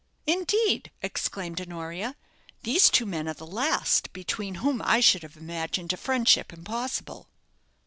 "Indeed!" exclaimed Honoria. "These two men are the last between whom I should have imagined a friendship impossible."